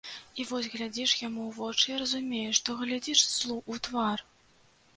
І вось глядзіш яму ў вочы, і разумееш, што глядзіш злу ў твар.